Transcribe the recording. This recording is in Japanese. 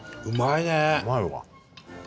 うまいわ。